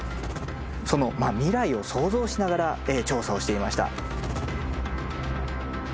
その未来を想像しながら調査をしていました。